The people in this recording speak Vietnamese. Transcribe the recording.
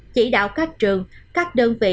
chỉ đạo các trường các đơn vị